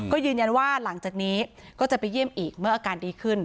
ก็ยืนยันว่าหลังจากนี้ก็จะไปเยี่ยมอีกเมื่ออาการดีขึ้น